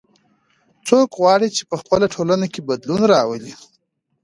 څوک غواړي چې په خپله ټولنه کې بدلون راولي